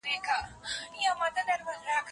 د کور دننه هر غړی مسئول دی.